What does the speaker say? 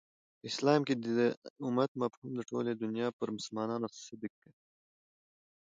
په اسلام کښي د امت مفهوم د ټولي دنیا پر مسلمانانو صدق کوي.